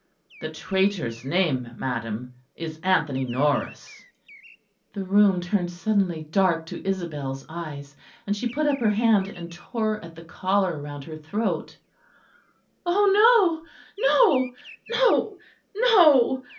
"The traitor's name, madam, is Anthony Norris." The room turned suddenly dark to Isabel's eyes; and she put up her hand and tore at the collar round her throat. "Oh no, no, no, no!"